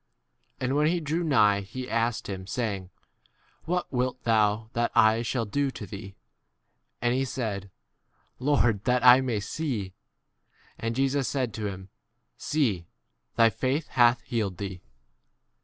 And when he 41 drew nigh he asked him, saying, What wilt thou that I shall do to thee ? And he said, Lord, that I 42 may see. And Jesus said to him, See : thy faith hath healed v thee.